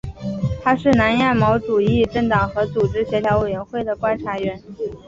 它是南亚毛主义政党和组织协调委员会的观察员。